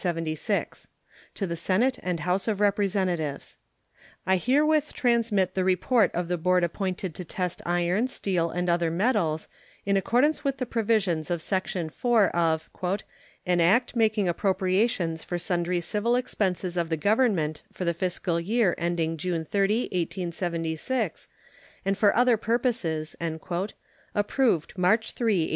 To the Senate and House of Representatives: I herewith transmit the report of the board appointed to test iron, steel, and other metals, in accordance with the provisions of section 4 of "An act making appropriations for sundry civil expenses of the Government for the fiscal year ending June 30, 1876, and for other purposes," approved March 3, 1875.